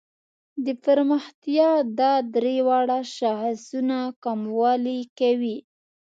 د پرمختیا دا درې واړه شاخصونه کموالي کوي.